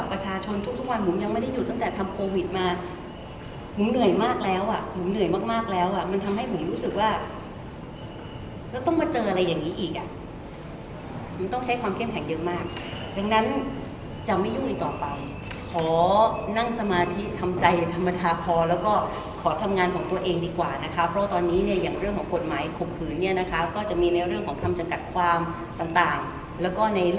ผมเหนื่อยมากแล้วอ่ะผมเหนื่อยมากแล้วอ่ะมันทำให้ผมรู้สึกว่าแล้วต้องมาเจออะไรอย่างนี้อีกอ่ะผมต้องใช้ความเข้มแข็งเยอะมากดังนั้นจะไม่ยุ่งอีกต่อไปขอนั่งสมาธิทำใจธรรมดาพอแล้วก็ขอทำงานของตัวเองดีกว่านะคะเพราะตอนนี้เนี่ยอย่างเรื่องของกฎหมายขบถือนี่นะคะก็จะมีในเรื่องของคำจังกัดความต่างแล้วก็ในเร